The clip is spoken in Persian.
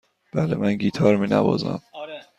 بله، من گیتار می نوازم.